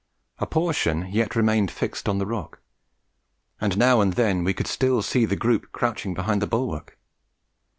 A portion yet remained fixed on the rock, and now and then we could still see the group crouching behind the bulwark.